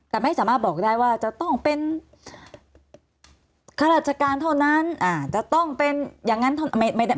แต่ไม่สามารถบอกได้ว่าจะต้องเป็นข้าราชการเท่านั้นอ่าจะต้องเป็นอย่างนั้นไม่ได้